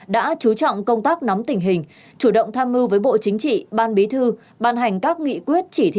đã chú trọng công tác nắm tình hình chủ động tham mưu với bộ chính trị ban bí thư